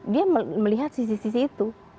dia melihat sisi sisi itu